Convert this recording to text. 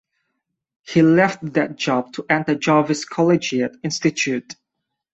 He left that job to enter Jarvis Collegiate Institute.